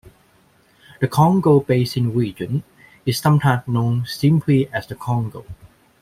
The Congo Basin region is sometimes known simply as the Congo.